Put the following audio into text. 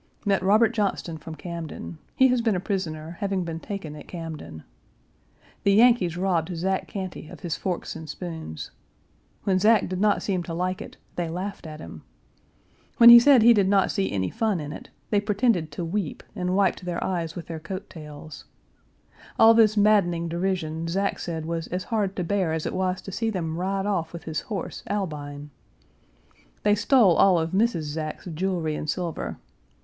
Met Robert Johnston from Camden. He has been a prisoner, having been taken at Camden. The Yankees robbed Zack Cantey of his forks and spoons. When Zack did not seem to like it, they laughed at him. When he said he did not see any fun in it, they pretended to weep and wiped their eyes with their coat tails. All this maddening derision Zack said was as hard to bear as it was to see them ride off with his horse, Albine. They stole all of Mrs. Zack's jewelry and silver.